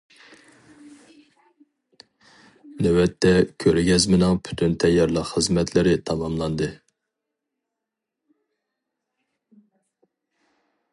نۆۋەتتە كۆرگەزمىنىڭ پۈتۈن تەييارلىق خىزمەتلىرى تاماملاندى.